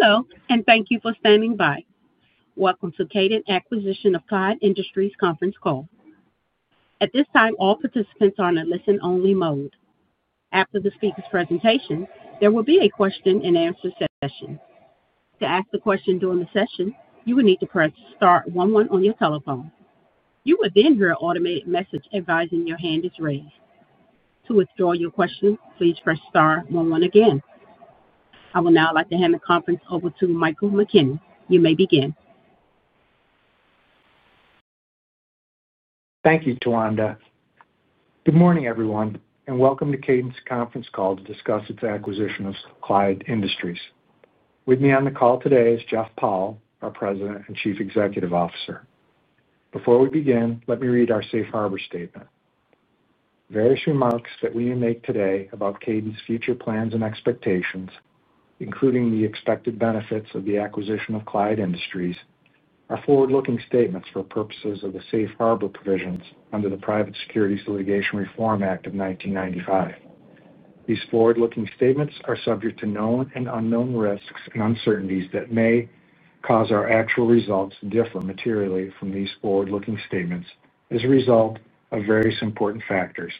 Hello, and thank you for standing by. Welcome Kadant Acquisition of Clyde Industries conference call. At this time, all participants are in a listen-only mode. After the speaker's presentation, there will be a question-and-answer session. To ask a question during the session, you will need to press star one one on your telephone. You will then hear an automated message advising your hand is raised. To withdraw your question, please press star one one again. I will now like to hand the conference over to Michael McKenney. You may begin. Thank you, Tawanda. Good morning, everyone, and welcome to Kadant's conference call to discuss its acquisition of Clyde Industries. With me on the call today is Jeff Powell, our President and Chief Executive Officer. Before we begin, let me read our Safe Harbor Statement. Various remarks that we may make today about Kadant's future plans and expectations, including the expected benefits of the acquisition of Clyde Industries, are forward-looking statements for purposes of the Safe Harbor provisions under the Private Securities Litigation Reform Act of 1995. These forward-looking statements are subject to known and unknown risks and uncertainties that may cause our actual results to differ materially from these forward-looking statements as a result of various important factors,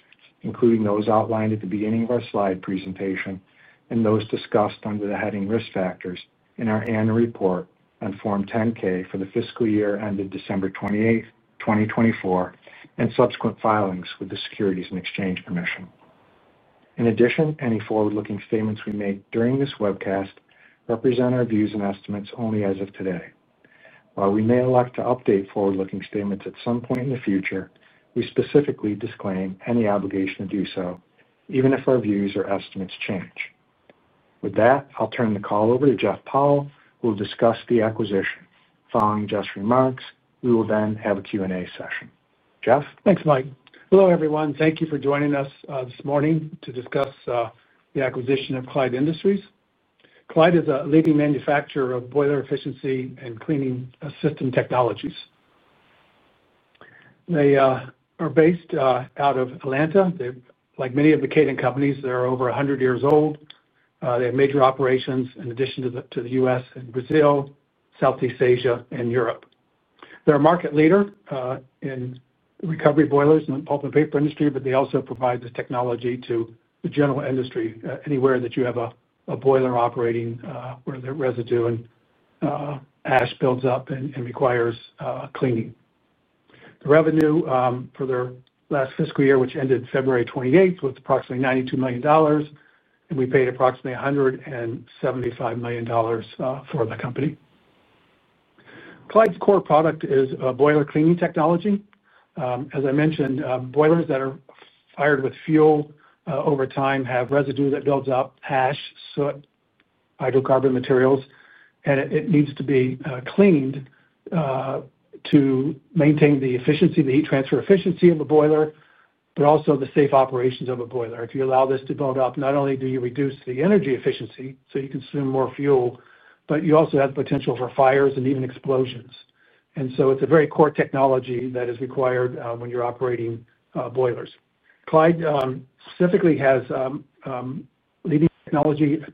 including those outlined at the beginning of our slide presentation and those discussed under the heading Risk Factors in our annual report on Form 10-K for the fiscal year ended December 28, 2024, and subsequent filings with the Securities and Exchange Commission. In addition, any forward-looking statements we make during this webcast represent our views and estimates only as of today. While we may elect to update forward-looking statements at some point in the future, we specifically disclaim any obligation to do so, even if our views or estimates change. With that, I'll turn the call over to Jeff Powell, who will discuss the acquisition. Following Jeff's remarks, we will then have a Q&A session. Jeff? Thanks, Mike. Hello, everyone. Thank you for joining us this morning to discuss the acquisition of Clyde Industries. Clyde is a leading manufacturer of boiler efficiency and cleaning system technologies. They are based out of Atlanta. Like many of Kadant companies, they are over 100 years old. They have major operations in addition to the U.S. and Brazil, Southeast Asia, and Europe. They're a market leader in recovery boilers and the pulp and paper industry, but they also provide the technology to the general industry anywhere that you have a boiler operating where the residue and ash builds up and requires cleaning. The revenue for their last fiscal year, which ended February 28, was approximately $92 million, and we paid approximately $175 million for the company. Clyde's core product is a boiler cleaning technology. As I mentioned, boilers that are fired with fuel over time have residue that builds up ash, soot, hydrocarbon materials, and it needs to be cleaned to maintain the efficiency, the heat transfer efficiency of a boiler, but also the safe operations of a boiler. If you allow this to build up, not only do you reduce the energy efficiency, so you consume more fuel, but you also have the potential for fires and even explosions. It is a very core technology that is required when you're operating boilers. Clyde specifically has a leading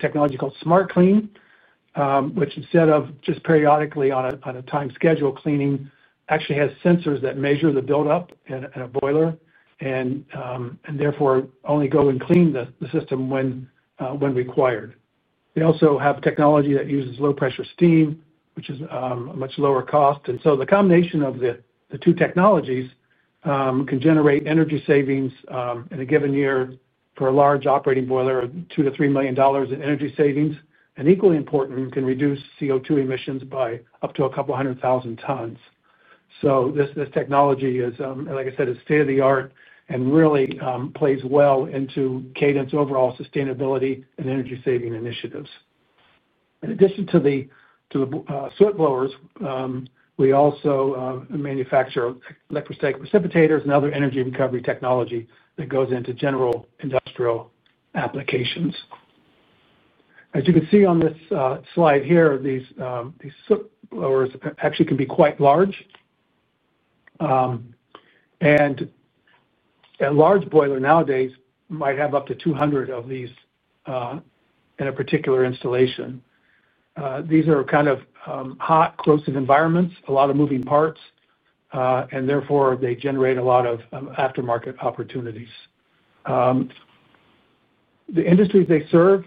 technology called SMART Clean, which instead of just periodically on a timed schedule cleaning, actually has sensors that measure the buildup in a boiler and therefore only go and clean the system when required. They also have a technology that uses low-pressure steam, which is a much lower cost. The combination of the two technologies can generate energy savings in a given year for a large operating boiler, $2 million-$3 million in energy savings, and equally importantly, can reduce CO2 emissions by up to a couple hundred thousand tons. This technology is, like I said, it's state of the art and really plays well into Kadant's overall sustainability and energy-saving initiatives. In addition to the soot blowers, we also manufacture electrostatic precipitators and other energy recovery technology that goes into general industrial applications. As you can see on this slide here, these soot blowers actually can be quite large. A large boiler nowadays might have up to 200 of these in a particular installation. These are kind of hot, corrosive environments, a lot of moving parts, and therefore they generate a lot of aftermarket opportunities. The industries they serve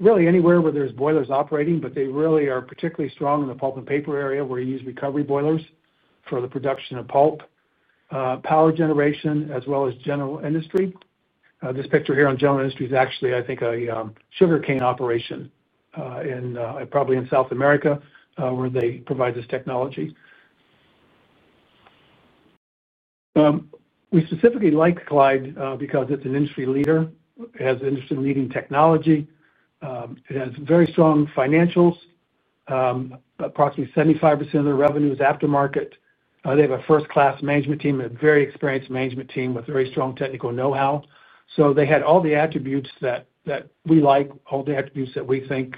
really anywhere where there's boilers operating, but they really are particularly strong in the pulp and paper area where you use recovery boilers for the production of pulp, power generation, as well as general industry. This picture here on general industry is actually, I think, a sugar cane operation in probably in South America where they provide this technology. We specifically like Clyde because it's an industry leader. It has an industry-leading technology. It has very strong financials. Approximately 75% of their revenue is aftermarket. They have a first-class management team, a very experienced management team with very strong technical know-how. They had all the attributes that we like, all the attributes that we think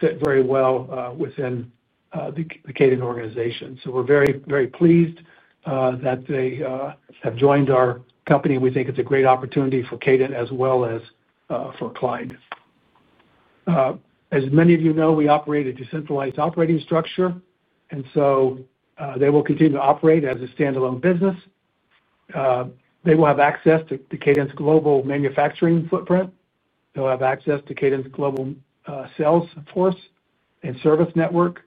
fit very well within Kadant organization. We are very, very pleased that they have joined our company. We think it's a great opportunity for Kadant as well as for Clyde. As many of you know, we operate a decentralized operating structure, and they will continue to operate as a standalone business. They will have access to Kadant's global manufacturing footprint. They'll have access to Kadant's global sales, of course, and service network,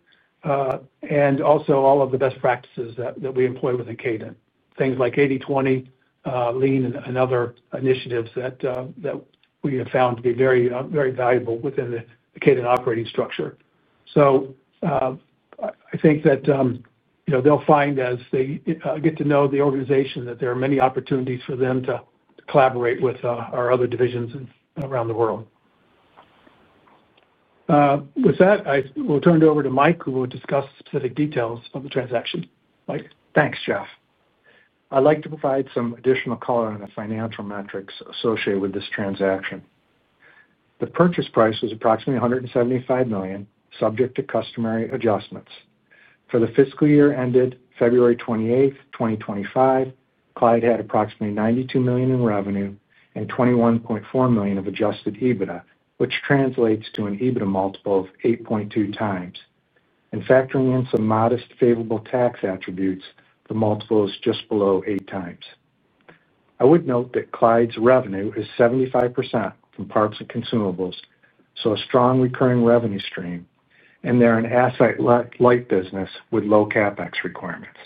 and also all of the best practices that we employ within Kadant, things like 80/20, lean, and other initiatives that we have found to be very, very valuable within the Kadant operating structure. I think that, you know, they'll find as they get to know the organization that there are many opportunities for them to collaborate with our other divisions around the world. With that, I will turn it over to Mike, who will discuss specific details of the transaction. Mike? Thanks, Jeff. I'd like to provide some additional color on the financial metrics associated with this transaction. The purchase price was approximately $175 million, subject to customary adjustments. For the fiscal year ended February 28, 2025, Clyde had approximately $92 million in revenue and $21.4 million of adjusted EBITDA, which translates to an EBITDA multiple of 8.2x. Factoring in some modest favorable tax attributes, the multiple is just below 8x. I would note that Clyde's revenue is 75% from parts and consumables, so a strong recurring revenue stream, and they're an asset-light business with low CapEx requirements.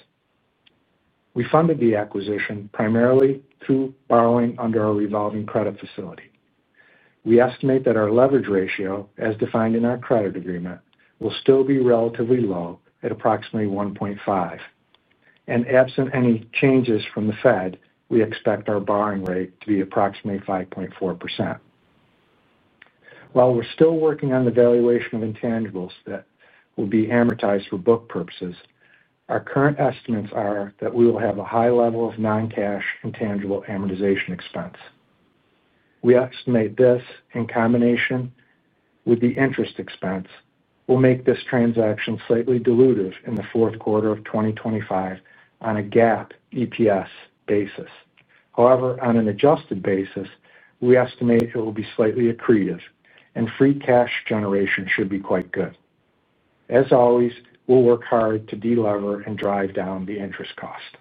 We funded the acquisition primarily through borrowing under our revolving credit facility. We estimate that our leverage ratio, as defined in our credit agreement, will still be relatively low at approximately 1.5. Absent any changes from the Fed, we expect our borrowing rate to be approximately 5.4%. While we're still working on the valuation of intangibles that will be amortized for book purposes, our current estimates are that we will have a high level of non-cash intangible amortization expense. We estimate this in combination with the interest expense will make this transaction slightly dilutive in the fourth quarter of 2025 on a GAAP EPS basis. However, on an adjusted basis, we estimate it will be slightly accretive, and free cash generation should be quite good. As always, we'll work hard to de-lever and drive down the interest cost.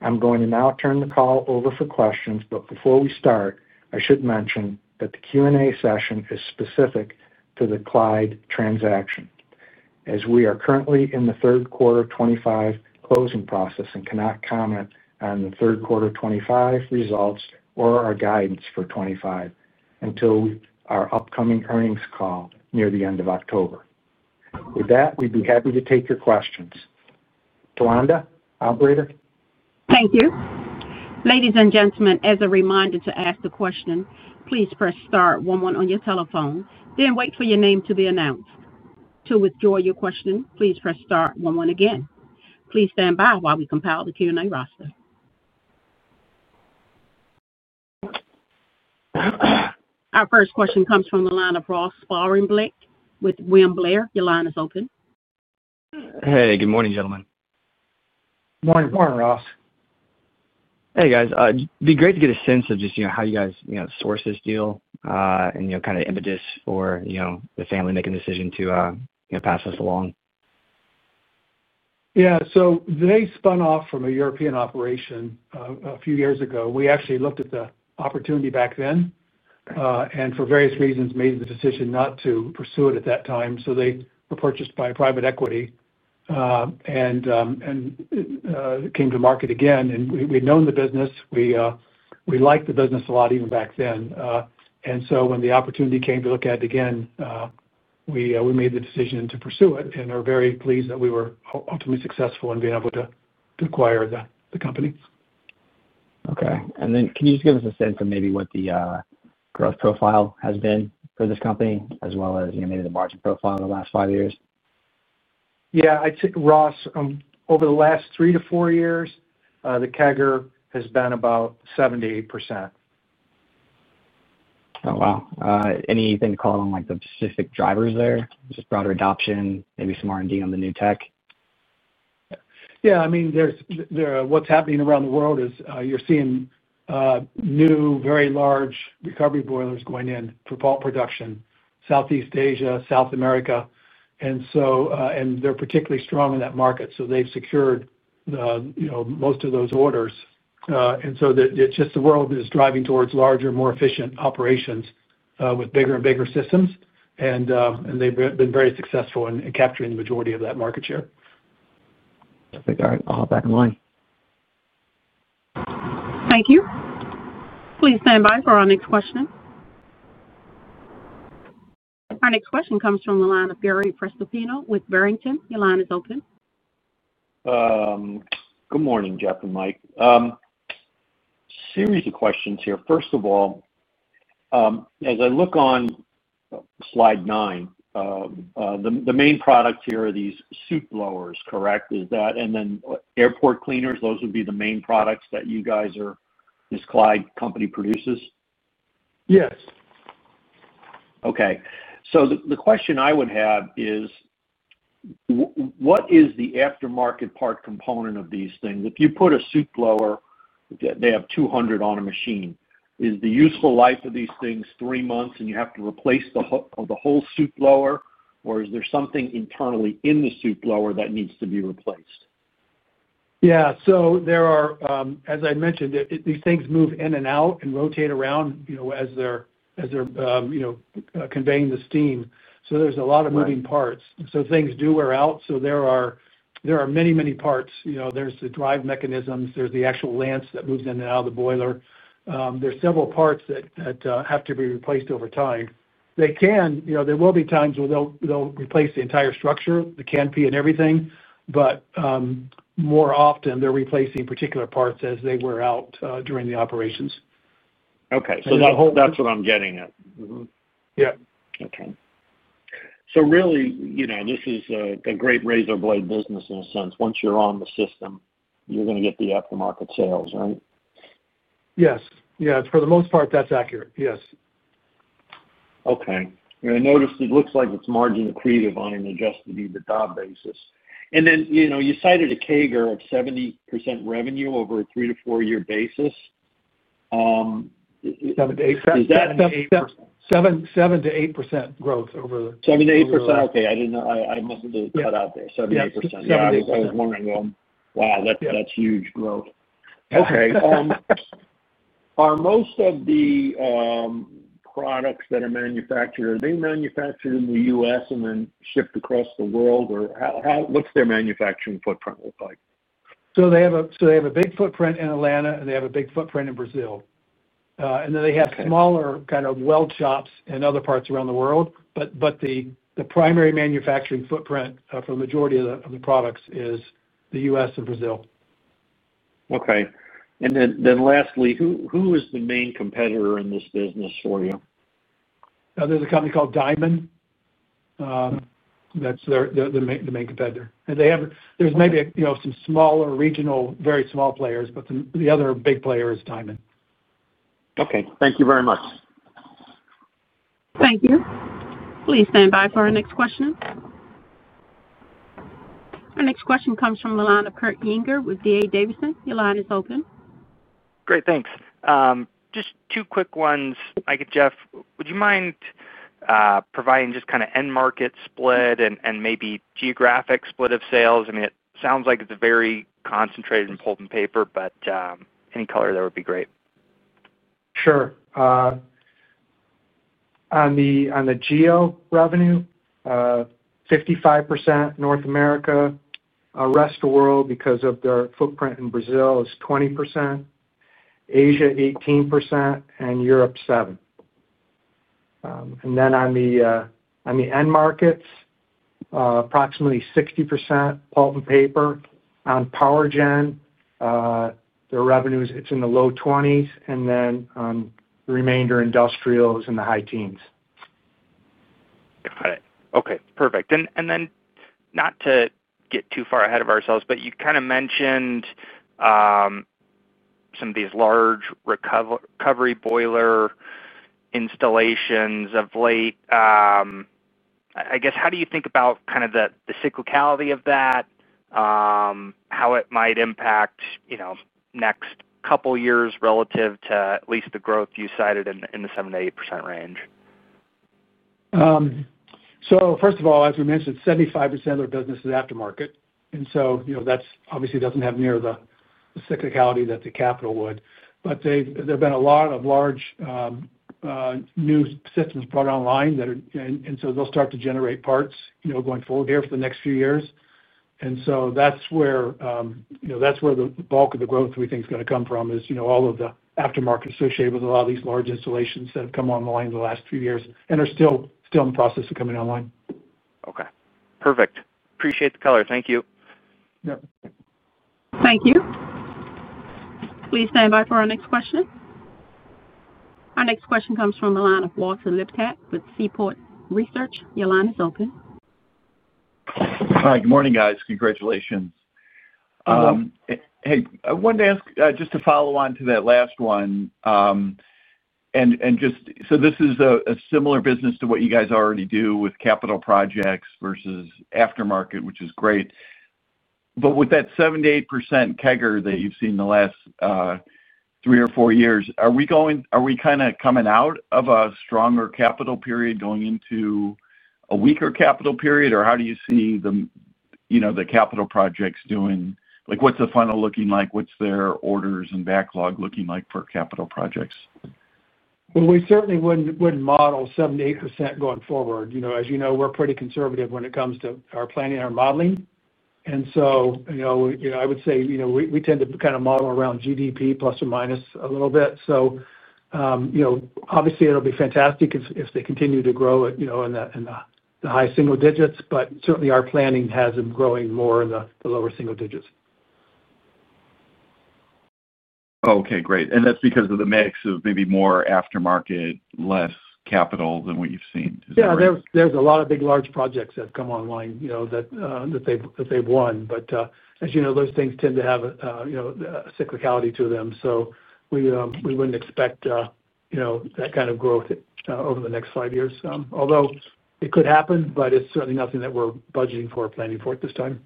I'm going to now turn the call over for questions, but before we start, I should mention that the Q&A session is specific to the Clyde transaction. As we are currently in the third quarter of 2025 closing process and cannot comment on the third quarter of 2025 results or our guidance for 2025 until our upcoming earnings call near the end of October. With that, we'd be happy to take your questions. Tawanda, operator? Thank you. Ladies and gentlemen, as a reminder to ask a question, please press star one one on your telephone, then wait for your name to be announced. To withdraw your question, please press star one one again. Please stand by while we compile the Q&A roster. Our first question comes from the line of Ross Sparenblek with William Blair. Your line is open. Hey, good morning, gentlemen. Morning, morning, Ross. It'd be great to get a sense of just how you guys sourced this deal and the impetus for the family making the decision to pass this along. Yeah. They spun off from a European operation a few years ago. We actually looked at the opportunity back then, and for various reasons, made the decision not to pursue it at that time. They were purchased by private equity and came to market again. We'd known the business. We liked the business a lot even back then. When the opportunity came to look at it again, we made the decision to pursue it and are very pleased that we were ultimately successful in being able to acquire the company. Okay, can you just give us a sense of maybe what the growth profile has been for this company, as well as maybe the margin profile over the last five years? Yeah. I'd say, Ross, over the last three to four years, the CAGR has been about 7%-8%. Oh, wow. Anything to call on, like, the specific drivers there? Just broader adoption, maybe some R&D on the new tech? Yeah. I mean, what's happening around the world is you're seeing new, very large recovery boilers going in for pulp production, Southeast Asia, South America. They're particularly strong in that market. They've secured most of those orders. The world is driving towards larger, more efficient operations with bigger and bigger systems. They've been very successful in capturing the majority of that market share. Perfect. All right, I'll hop back in line. Thank you. Please stand by for our next question. Our next question comes from the line of Gary Prestopino with Barrington. Your line is open. Good morning, Jeff and Mike. A series of questions here. First of all, as I look on slide nine, the main products here are these soot blowers, correct? Is that, and then are port cleaners, those would be the main products that you guys or this Clyde Industries company produces? Yes. Okay. The question I would have is, what is the aftermarket part component of these things? If you put a soot blower, they have 200 on a machine. Is the useful life of these things three months and you have to replace the whole soot blower, or is there something internally in the soot blower that needs to be replaced? Yeah. There are, as I mentioned, these things move in and out and rotate around as they're conveying the steam. There are a lot of moving parts, so things do wear out. There are many, many parts. There's the drive mechanisms, there's the actual lance that moves in and out of the boiler, and there are several parts that have to be replaced over time. There will bex where they'll replace the entire structure, the canopy, and everything, but more often, they're replacing particular parts as they wear out during the operations. Okay, that's what I'm getting at. Yeah. Okay. This is the great razor blade business in a sense. Once you're on the system, you're going to get the aftermarket sales, right? Yes, for the most part, that's accurate. Yes. Okay. I noticed it looks like it's margin accretive on an adjusted EBITDA basis. You cited a CAGR of 70% revenue over a three to four-year basis. 7%-8%. 7%-8% growth over the. 7%-8%. Okay. I didn't know. I must have cut out there. 7%-8%. I was wondering, that's huge growth. Are most of the products that are manufactured, are they manufactured in the U.S. and then shipped across the world, or what's their manufacturing footprint look like? They have a big footprint in Atlanta, and they have a big footprint in Brazil. They have smaller kind of weld shops in other parts around the world, but the primary manufacturing footprint for a majority of the products is the United States and Brazil. Okay. Lastly, who is the main competitor in this business for you? There's a company called Diamond. That's their main competitor. There's maybe, you know, some smaller regional, very small players, but the other big player is Diamond. Okay, thank you very much. Thank you. Please stand by for our next question. Our next question comes from the line of [Kirk Binger] with D.A. Davidson. Your line is open. Great. Thanks. Just two quick ones. I guess, Jeff, would you mind providing just kind of end market split and maybe geographic split of sales? I mean, it sounds like it's very concentrated in pulp and paper, but any color there would be great. Sure. On the geo revenue, 55% North America. Rest of the world, because of their footprint in Brazil, is 20%. Asia, 18%, and Europe, 7%. On the end markets, approximately 60% pulp and paper. On Power-Gen, their revenue, it's in the low 20s. The remainder, industrial, is in the high teens. Got it. Okay. Perfect. Not to get too far ahead of ourselves, but you kind of mentioned some of these large recovery boiler installations of late. I guess, how do you think about the cyclicality of that, how it might impact the next couple of years relative to at least the growth you cited in the 7%-8% range? As we mentioned, 75% of their business is aftermarket. That obviously doesn't have near the cyclicality that the capital would. There have been a lot of large new systems brought online, and they'll start to generate parts going forward here for the next few years. That's where the bulk of the growth, we think, is going to come from, all of the aftermarket associated with a lot of these large installations that have come online in the last few years and are still in the process of coming online. Okay. Perfect. Appreciate the color. Thank you. Yeah. Thank you. Please stand by for our next question. Our next question comes from a line of Walter Liptak with Seaport Research. Your line is open. Hi. Good morning, guys. Congratulations. Hi. I wanted to ask just to follow on to that last one. This is a similar business to what you guys already do with capital projects versus aftermarket, which is great. With that 7%-8% CAGR that you've seen in the last three or four years, are we coming out of a stronger capital period going into a weaker capital period, or how do you see the capital projects doing? What's the funnel looking like? What's their orders and backlog looking like for capital projects? We certainly wouldn't model 7%-8% going forward. As you know, we're pretty conservative when it comes to our planning and our modeling. I would say we tend to kind of model around GDP plus or minus a little bit. Obviously, it'll be fantastic if they continue to grow in the high single digits, but certainly, our planning has them growing more in the lower single digits. Oh, okay. Great. That's because of the mix of maybe more aftermarket, less capital than what you've seen? Yeah. There are a lot of big, large projects that have come online that they've won. As you know, those things tend to have a cyclicality to them. We wouldn't expect that kind of growth over the next five years. Although it could happen, it's certainly nothing that we're budgeting for or planning for at this time.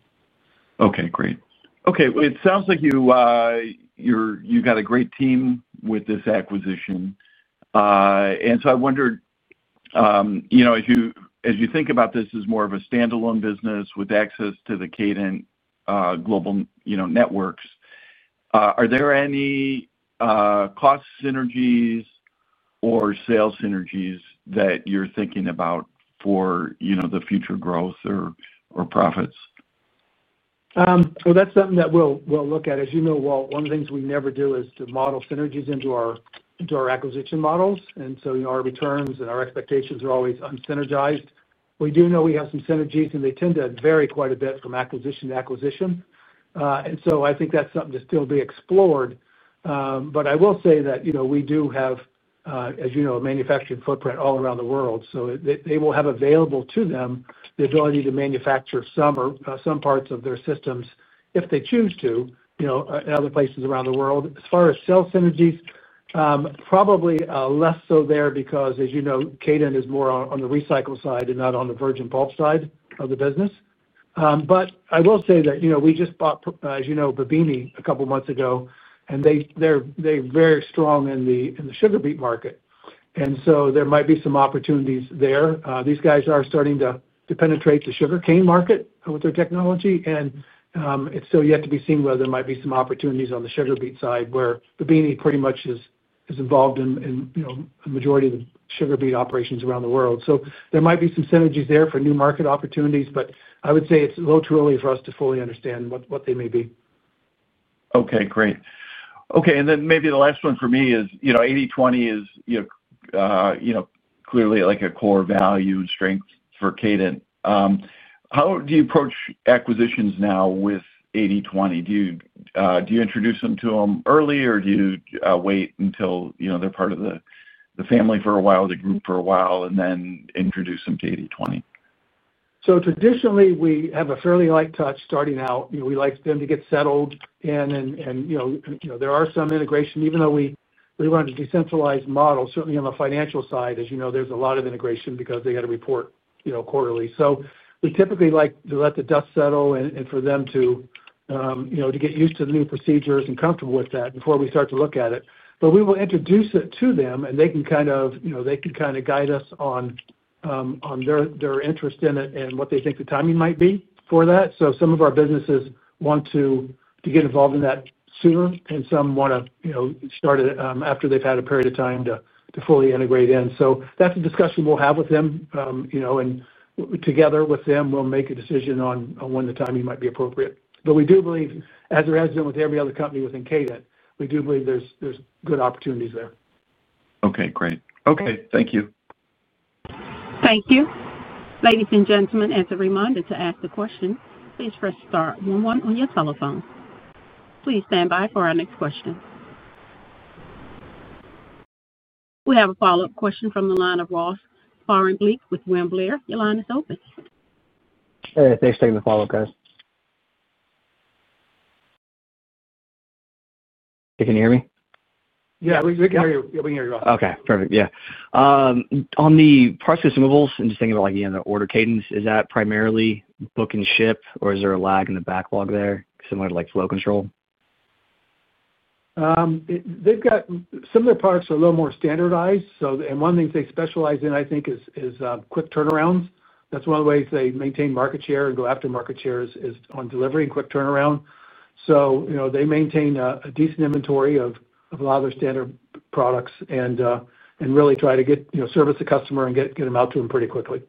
Okay. Great. It sounds like you've got a great team with this acquisition. I wondered, as you think about this as more of a standalone business with access to the Kadant global networks, are there any cost synergies or sales synergies that you're thinking about for the future growth or profits? That is something that we'll look at. As you know, one of the things we never do is to model synergies into our acquisition models. Our returns and our expectations are always unsynergized. We do know we have some synergies, and they tend to vary quite a bit from acquisition to acquisition. I think that's something to still be explored. I will say that, as you know, we do have a manufacturing footprint all around the world. They will have available to them the ability to manufacture some or some parts of their systems if they choose to in other places around the world. As far as sales synergies, probably less so there because, as you Kadant is more on the recycle side and not on the virgin pulp side of the business. I will say that we just bought, as you know, Babbini a couple of months ago, and they're very strong in the sugar beet market. There might be some opportunities there. These guys are starting to penetrate the sugarcane market with their technology. It is still yet to be seen whether there might be some opportunities on the sugar beet side where Babbini pretty much is involved in the majority of the sugar beet operations around the world. There might be some synergies there for new market opportunities, but I would say it's a little early for us to fully understand what they may be. Okay. Great. Okay. Maybe the last one for me is, you know, 80/20 is clearly a core value and strength for Kadant How do you approach acquisitions now with 80/20? Do you introduce them to it early, or do you wait until they're part of the family for a while, the group for a while, and then introduce them to 80/20? Traditionally, we have a fairly light touch starting out. We like them to get settled in. There are some integration steps, even though we run a decentralized model. Certainly, on the financial side, as you know, there's a lot of integration because they have to report quarterly. We typically like to let the dust settle and for them to get used to the new procedures and comfortable with that before we start to look at it. We will introduce it to them, and they can guide us on their interest in it and what they think the timing might be for that. Some of our businesses want to get involved in that sooner, and some want to start it after they've had a period of time to fully integrate in. That's a discussion we'll have with them, and together with them, we'll make a decision on when the timing might be appropriate. We do believe, as there has been with every other company within Kadant, there's good opportunities there. Okay. Great. Thank you. Thank you. Ladies and gentlemen, as a reminder to ask a question, please press star one one on your telephone. Please stand by for our next question. We have a follow-up question from the line of Ross Sparenblek with William Blair. Your line is open. Thank you for taking the call, guys. Can you hear me? Yeah, we can hear you. Yeah, we can hear you, Ross. Okay. Perfect. Yeah. On the parts removals and just thinking about, like, you know, the order cadence, is that primarily book and ship, or is there a lag in the backlog there, similar to, like, flow control? Some of the parts are a little more standardized. One thing they specialize in, I think, is quick turnarounds. That's one of the ways they maintain market share and go after market share, on delivery and quick turnaround. They maintain a decent inventory of a lot of their standard products and really try to service the customer and get them out to them pretty quickly.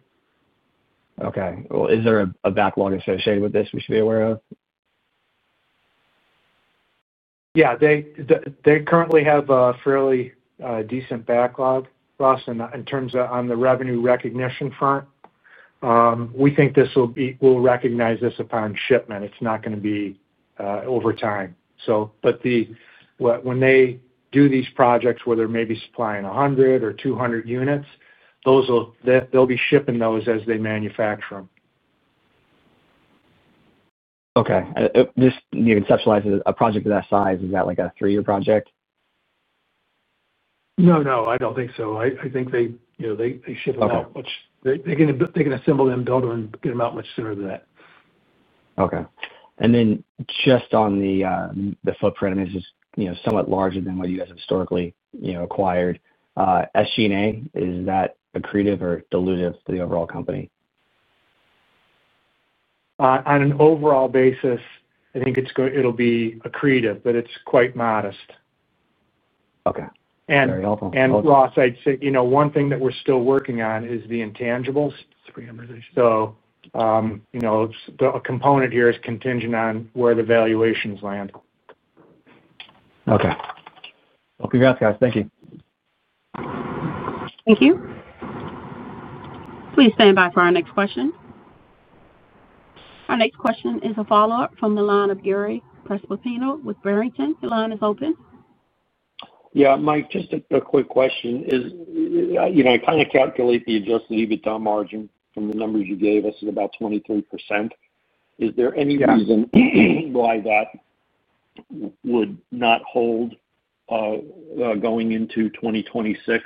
Okay. Is there a backlog associated with this we should be aware of? Yeah. They currently have a fairly decent backlog, Ross, in terms of on the revenue recognition front. We think this will recognize this upon shipment. It's not going to be over time. When they do these projects where they're maybe supplying 100 units or 200 units, they'll be shipping those as they manufacture them. Okay. This, you know, conceptualizes a project of that size. Is that like a three-year project? No, I don't think so. I think they ship them out. They can assemble them, build them, and get them out much sooner than that. Okay. On the footprint, this is somewhat larger than what you guys have historically acquired. As G&A, is that accretive or dilutive to the overall company? On an overall basis, I think it's going to be accretive, but it's quite modest. Okay, very helpful. Ross, I'd say one thing that we're still working on is the intangibles. A component here is contingent on where the valuations land. Okay. Congratulations, guys. Thank you. Thank you. Please stand by for our next question. Our next question is a follow-up from the line of Gary Prestopino with Barrington. Your line is open. Yeah. Mike, just a quick question. You know, I kind of calculate the adjusted EBITDA margin from the numbers you gave us at about 23%. Is there any reason why that would not hold going into 2026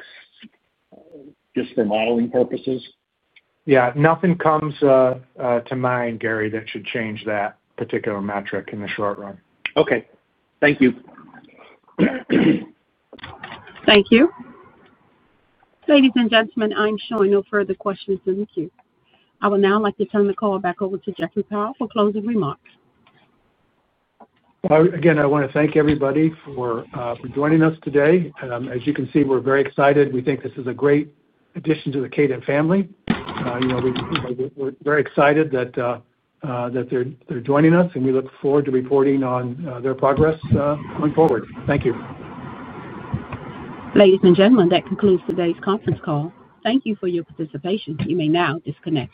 just for modeling purposes? Yeah, nothing comes to mind, Gary, that should change that particular metric in the short run. Okay, thank you. Thank you. Ladies and gentlemen, I'm showing no further questions from the queue. I would now like to turn the call back over to Jeff Powell for closing remarks. Again, I want to thank everybody for joining us today. As you can see, we're very excited. We think this is a great addition to the Kadant family. We're very excited that they're joining us, and we look forward to reporting on their progress going forward. Thank you. Ladies and gentlemen, that concludes today's conference call. Thank you for your participation. You may now disconnect.